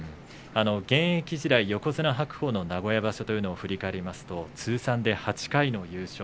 現役時代、横綱白鵬の名古屋場所というのを振り返りますと通算８回の優勝。